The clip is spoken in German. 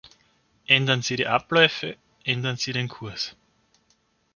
Ändern Sie die Abläufe, ändern Sie den Kurs.